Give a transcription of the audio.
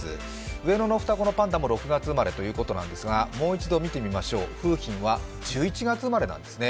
上野の双子のパンダも６月生まれということですが、もう一度見てみましょう、楓浜は１１月生まれなんですね。